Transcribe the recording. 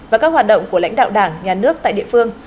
và các hoạt động của lãnh đạo đảng nhà nước tại địa phương